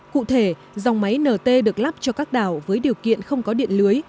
cụ thể dòng máy nt được lắp cho các đảo với điều kiện không có điện lưới